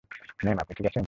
Ma'am, আপনি ঠিক আছেন?